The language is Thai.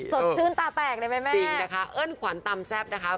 สดชื่นตาแตกเลยไหมแม่จริงนะคะเอิ้นขวัญตำแซ่บนะคะ